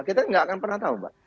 kita nggak akan pernah tahu mbak